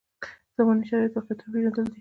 زمانې شرایط واقعیتونه پېژندل دي.